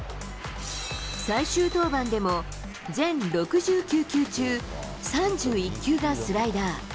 最終登板でも、全６９球中、３１球がスライダー。